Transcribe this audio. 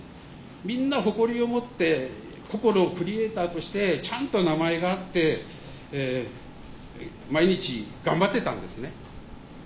みんな誇りを持って個々のクリエーターとしてちゃんと名前があって毎日頑張ってたんですね。